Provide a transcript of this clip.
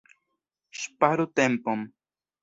Ŝparu tempon!